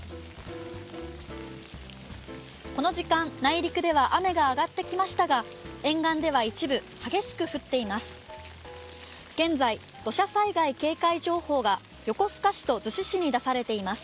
この時間、内陸では雨が上がってきましたが沿岸では一部激しく降っています。